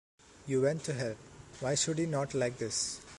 You went to help. Why should he not like this?